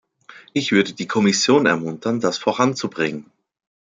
Ich würde die Kommission ermuntern, das voranzubringen.